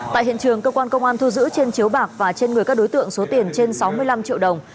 tại hiện trường cơ quan công an thu giữ trên chiếu bạc và trên người các đối tượng số tiền trên sáu mươi năm triệu đồng